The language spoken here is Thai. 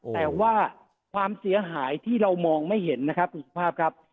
แต่ว่าความเสียหายที่เรามองไม่เห็นนะครับคุณสุภาพครับ